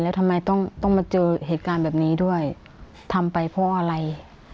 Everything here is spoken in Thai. แล้วทำไมต้องต้องมาเจอเหตุการณ์แบบนี้ด้วยทำไปเพราะอะไร